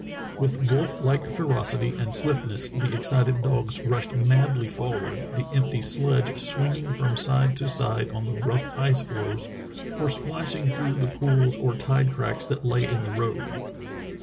With wolf like ferocity and swiftness the excited dogs rushed madly forward, the empty sledge swing ing from side to side on the rough ice floes or splashing through the pools or tide cracks that lay in the road.